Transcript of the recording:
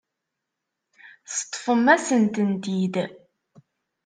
Teṭṭfem-asen-tent-id.